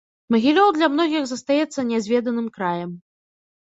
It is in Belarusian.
Магілёў для многіх застаецца нязведаным краем.